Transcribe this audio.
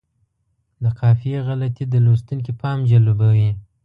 د قافیې غلطي د لوستونکي پام جلبوي.